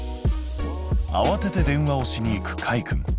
あわてて電話をしに行くかいくん。